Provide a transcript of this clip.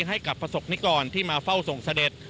ให้กับประสบนิกรที่มาเฝ้าส่งเสด็จ